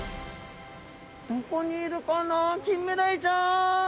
どこにいるかなキンメダイちゃん！